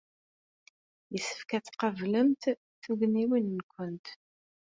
Yessefk ad tqablemt tugdiwin-nwent.